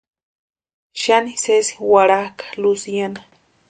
Xani sesi warhakʼa Luciana.